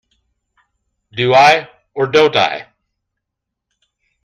Do I, or don't I?